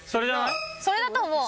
それだと思う。